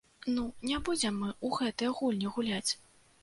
Ну, не будзем мы ў гэтыя гульні гуляць!